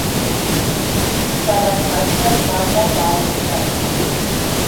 In seiner Freizeit nahm er Malunterricht.